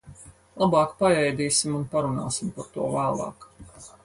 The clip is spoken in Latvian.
Labāk paēdīsim un parunāsim par to vēlāk.